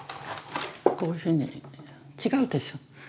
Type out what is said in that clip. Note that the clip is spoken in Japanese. こういうふうに違うでしょう。